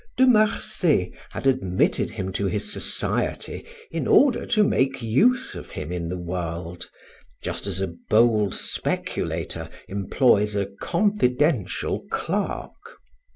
De Marsay had admitted him to his society in order to make use of him in the world, just as a bold speculator employs a confidential clerk.